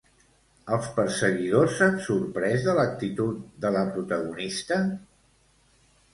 Els perseguidors s'han sorprès de l'actitud de la protagonista?